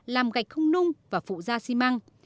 làm gạch không nung và phụ ra xi măng